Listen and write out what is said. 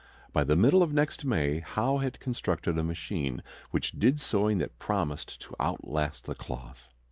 By the middle of next May, Howe had constructed a machine which did sewing that promised to outlast the cloth.